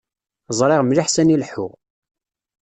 Ẓriɣ mliḥ sani leḥḥuɣ.